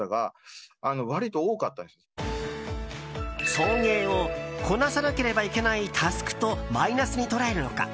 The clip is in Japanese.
送迎をこなさなければいけないタスクとマイナスに捉えるのか